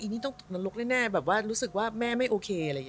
อีนี่ต้องตกนรกแน่แบบว่ารู้สึกว่าแม่ไม่โอเค